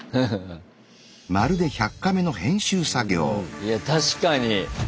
いや確かに。